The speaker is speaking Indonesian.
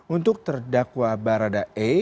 untuk terdakwa barada e